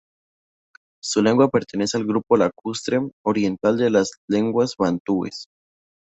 Su lengua pertenece al grupo lacustre oriental de las lenguas bantúes.